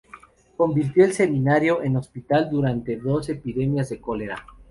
Convirtió el seminario en hospital durante dos epidemias de cólera.